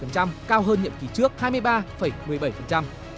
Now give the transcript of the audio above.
cao hơn nhiệm kỳ trước hai mươi ba một mươi bảy